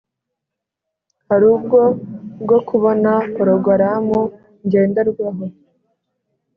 Hari uburyo bwo kubona porogaramu ngenderwaho